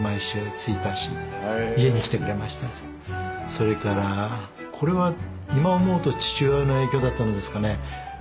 それからこれは今思うと父親の影響だったんですかね。